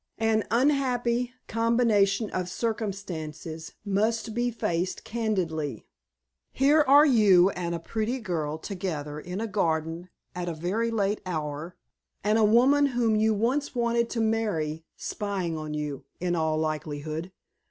An unhappy combination of circumstances must be faced candidly. Here are you and a pretty girl together in a garden at a rather late hour, and a woman whom you once wanted to marry spying on you, in all likelihood.